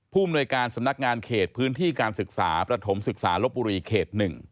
อำนวยการสำนักงานเขตพื้นที่การศึกษาประถมศึกษาลบบุรีเขต๑